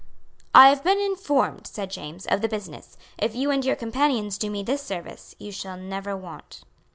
"I have been informed," said James, "of the business. If you and your companions do me this service, you shall never want."